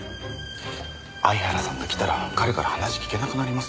相原さんが来たら彼から話聞けなくなりますよ。